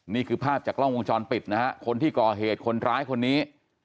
นี่คือภาพจากกล้องวงจรปิดนะฮะคนที่ก่อเหตุคนร้ายคนนี้